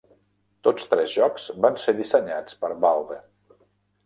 Tots tres jocs van ser dissenyats per Valve.